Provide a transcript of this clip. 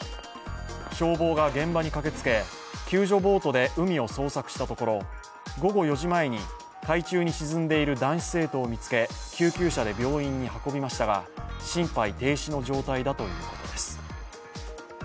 消防が現場に駆けつけ救助ボートで海を捜索したところ午後４時前に、海中に沈んでいる男子生徒を見つけ救急車で病院に搬送しましたが心肺停止の状態だということです。